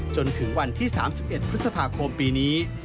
จนถึงวันที่๓๑พฤษภาคมปีนี้